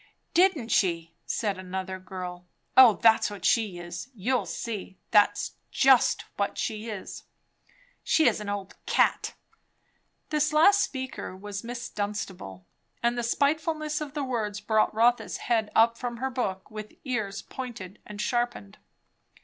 "Didn't she!" said another girl. "O that's what she is! You'll see. That's just what she is." "She is an old cat!" This last speaker was Miss Dunstable, and the spitefulness of the words brought Rotha's head up from her book, with ears pointed and sharpened.